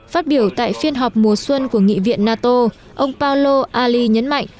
phát biểu tại phiên họp mùa xuân của nghị viện nato ông paolo ali nhấn mạnh